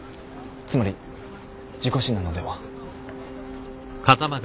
つまり事故死なのでは。